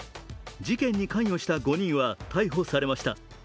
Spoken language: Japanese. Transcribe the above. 事件に関与した５人は逮捕されました。